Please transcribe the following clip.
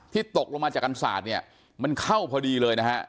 ตกลงมาจากกันศาสตร์เนี่ยมันเข้าพอดีเลยนะฮะ